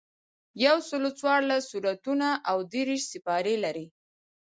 یوسلو څوارلس سورتونه او دېرش سپارې لري.